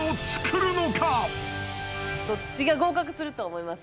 どっちが合格すると思います？